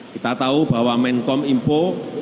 kita tahu bahwa menkomimpo